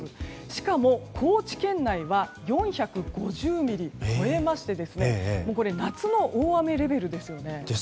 しかも、高知県内は４５０ミリ超えましてこれ、夏の大雨レベルですよね。